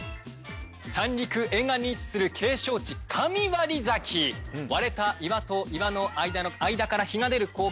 三陸沿岸に位置する景勝地神割崎割れた岩と岩の間から日が出る光景